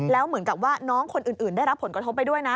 แล้วเหมือนกับว่าน้องคนอื่นได้รับผลกระทบไปด้วยนะ